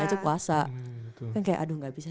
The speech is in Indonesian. aja puasa kan kayak aduh gak bisa